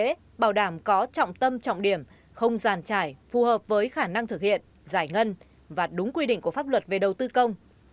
các bộ cũng có trọng tâm trọng điểm không giàn trải phù hợp với khả năng thực hiện giải ngân và đúng quy định của pháp luật về đầu tư công